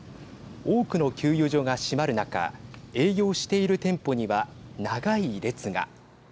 多くの給油所が閉まる中営業している店舗には長い列が。